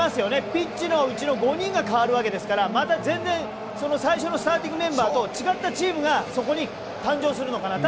ピッチのうちの５人が代わるわけですからまた全然最初のスターティングメンバーと違ったチームがそこに誕生するのかなと。